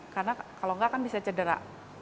karena kalau nggak kan bisa cedera